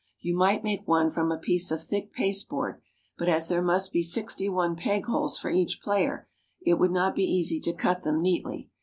You might make one from a piece of thick pasteboard, but as there must be sixty one peg holes for each player, it would not be easy to cut them neatly.